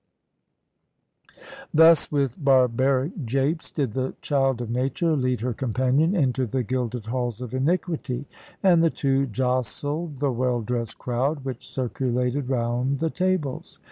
Thus, with barbaric japes, did the child of nature lead her companion into the gilded halls of iniquity, and the two jostled the well dressed crowd which circulated round the tables.